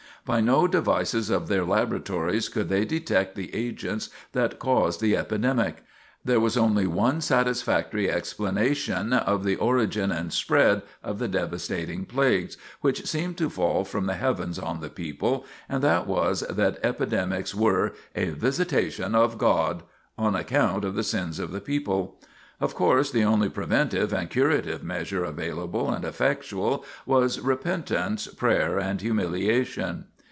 By no devices of their laboratories could they detect the agents that caused the epidemic. There was only one satisfactory explanation of the origin and spread of the devastating plagues, which seemed to fall from the heavens on the people, and that was that epidemics were "a visitation of God" on account of the sins of the people. Of course, the only preventive and curative measure available and effectual was "repentance, prayer, and humiliation."